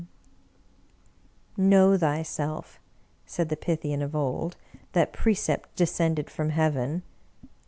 Know thyself," said the Pythian of old. " That pre cept descended from Heaven."